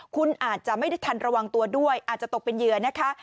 คุณอาจจะไม่ได้ทันระวังตัวด้วยอาจจะตกเป็นเหยื่อนะคะ